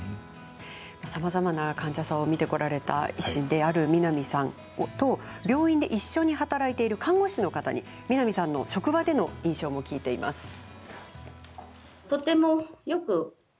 さまざまな患者さんを診てこられた医師である南さんと病院で一緒に働いている看護師の方に南さんの職場での印象も聞いています。